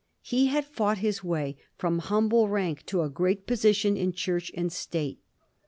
He had fought his way from humble rank to a great position in Church and State.